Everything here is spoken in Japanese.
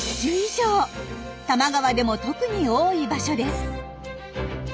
多摩川でも特に多い場所です。